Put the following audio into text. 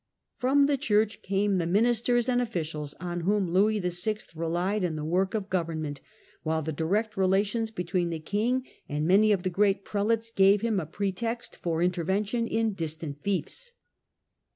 From the Church came the minis ters and officials on whom Louis VI. relied in the work of government, while the direct relations between the king and many of the great prelates gave him a pretext for intervention in distant fiefs.